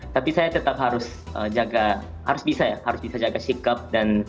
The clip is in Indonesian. tapi saya tetap harus jaga harus bisa ya harus bisa jaga sikap dan